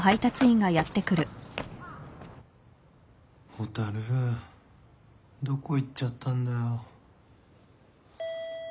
蛍どこ行っちゃったんだよ。